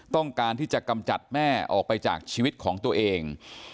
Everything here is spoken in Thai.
ต้องการที่จะกำจัดแม่ออกไปจากชีวิตของตัวเอง